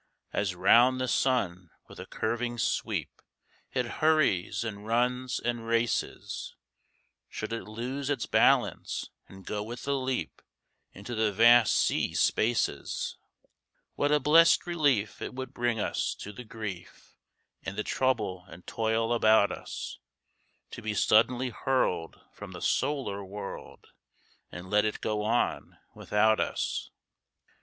As 'round the sun with a curving sweep It hurries and runs and races, Should it lose its balance, and go with a leap Into the vast sea spaces, What a blest relief it would bring to the grief, And the trouble and toil about us, To be suddenly hurled from the solar world And let it go on without us.